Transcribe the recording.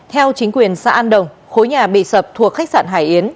theo chính quyền xã an đồng khối nhà bị sập thuộc khách sạn hải yến